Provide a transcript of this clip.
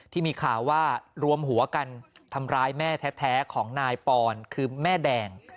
ที่มีข่าวว่ารวมหัวกันทำร้ายแม่แท้ของนายปอนคือแม่แดง